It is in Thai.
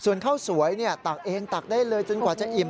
ส่วนข้าวสวยตักเองตักได้เลยจนกว่าจะอิ่ม